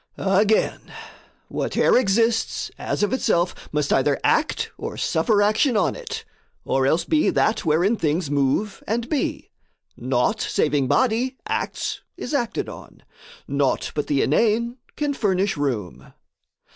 Again, whate'er exists, as of itself, Must either act or suffer action on it, Or else be that wherein things move and be: Naught, saving body, acts, is acted on; Naught but the inane can furnish room.